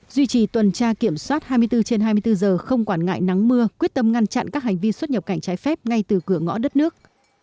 duy trì tuần tra kiểm soát hai mươi bốn trên hai mươi bốn giờ không quản ngại nắng mưa quyết tâm ngăn chặn các hành vi xuất nhập cảnh trái phép ngay từ cửa ngõ đất nước